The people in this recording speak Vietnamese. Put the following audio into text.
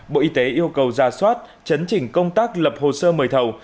bộ y tế yêu cầu ra soát chấn chỉnh công tác lập hồ sơ mời thầu